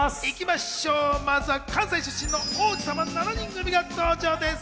まずは関西出身の王子様７人組が登場です。